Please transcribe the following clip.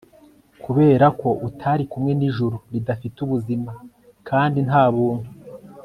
kuberako utari kumwe n'ijuru ridafite ubuzima kandi nta buntu